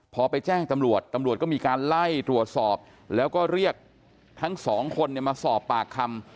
พอไปแจ้งตำรวจตำรวจก็มีการไล่ตรวจสอบแล้วก็เรียกทั้งสองคนมาสอบปากคำ